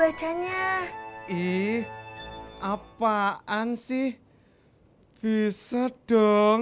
ih bisa enggak bacanya ih apaan sih bisa dong